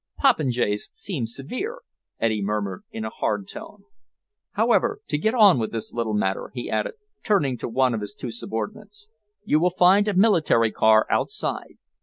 "Popinjays seems severe," Eddy murmured, in a hard tone. "However, to get on with this little matter," he added, turning to one of his two subordinates. "You will find a military car outside.